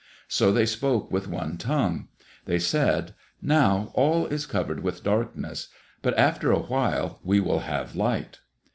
So they spoke with one tongue. They said, "Now all is covered with darkness, but after a while we will have light."